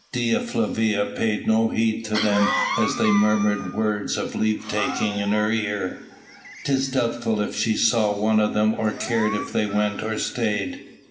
Dea Flavia paid no heed to them as they murmured words of leave taking in her ear. 'Tis doubtful if she saw one of them or cared if they went or stayed.